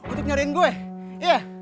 untuk nyariin gue iya